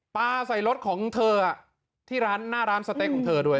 ปลาใส่รถของเธอที่ร้านหน้าร้านสเต๊กของเธอด้วย